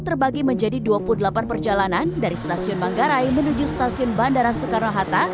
terbagi menjadi dua puluh delapan perjalanan dari stasiun manggarai menuju stasiun bandara soekarno hatta